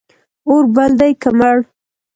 اور بل دی که مړ